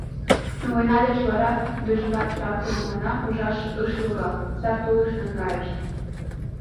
Но война деч вара тудыжымат, тракторым манам, ужаш ыш логал — сар тулыш наҥгайышт.